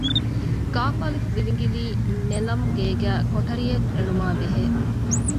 ގއ.ވިލިނގިލީ ނެލަމްގޭގައި ކޮޓަރިއެއް އެޅުމާއި ބެހޭ